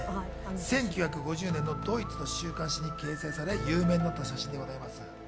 １９５０年のドイツの週刊誌に掲載され有名になった写真です。